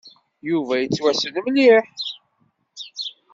Yuba yettwassen mliḥ.